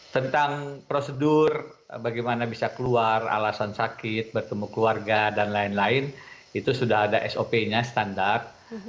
tentang prosedur bagaimana bisa keluar alasan sakit bertemu keluarga dan lain lain itu sudah ada sop nya standar